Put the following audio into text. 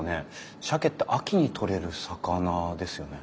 しゃけって秋に取れる魚ですよね？